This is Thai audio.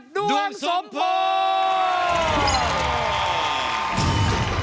ดวงสมโพธิ์